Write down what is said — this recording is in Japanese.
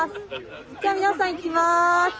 じゃあ皆さんいきます。